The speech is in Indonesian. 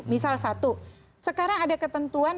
misal satu sekarang ada ketentuan